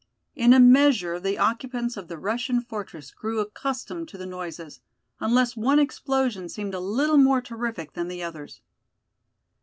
In a measure the occupants of the Russian fortress grew accustomed to the noises, unless one explosion seemed a little more terrific than the others.